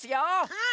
うん！